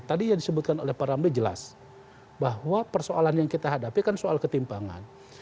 tadi yang disebutkan oleh pak ramli jelas bahwa persoalan yang kita hadapi kan soal ketimpangan